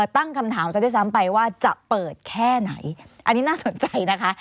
ตั้งคำถามซะด้วยซ้ำไปว่าจะเปิดแค่ไหนอันนี้น่าสนใจนะคะ